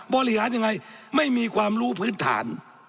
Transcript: บริหารยังไงไม่มีความรู้พื้นฐาน